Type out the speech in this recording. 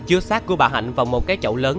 chưa sát của bà hạnh vào một cái chậu lớn